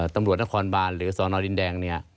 ตำรวจนครบานหรือสนดินแดงเนี่ย